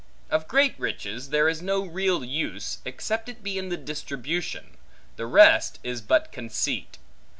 Of great riches there is no real use, except it be in the distribution; the rest is but conceit.